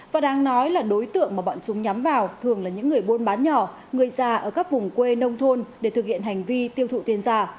và đáng nói là đối tượng mà bọn chúng nhắm vào thường là những người buôn bán nhỏ người già ở các vùng quê nông thôn để thực hiện hành vi tiêu thụ tiền giả